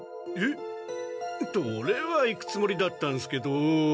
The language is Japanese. っとオレは行くつもりだったんすけど。